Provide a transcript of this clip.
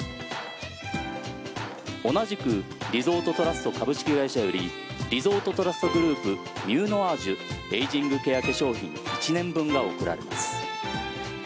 同じくリゾートトラスト株式会社よりリゾートトラストグループミューノアージュエイジングケア化粧品１年分が贈られます。